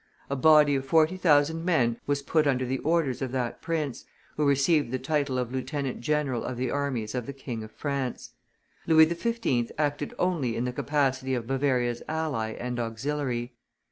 A body of forty thousand men was put under the orders of that prince, who received the title of lieutenant general of the armies of the King of France. Louis XV. acted only in the capacity of Bavaria's ally and auxiliary.